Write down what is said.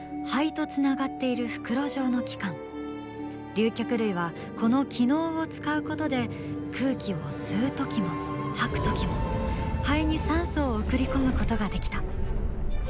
竜脚類はこの気嚢を使うことで空気を吸うときも吐くときも肺に酸素を送り込むことができた。